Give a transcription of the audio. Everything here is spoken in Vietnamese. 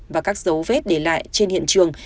và các dấu vết để lại trên hiện trường